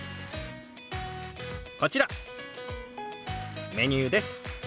こちらメニューです。